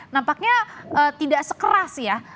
nampaknya tidak sekeras ya